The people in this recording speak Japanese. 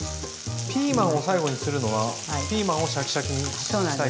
ピーマンを最後にするのはピーマンをシャキシャキにしたいからってことですか？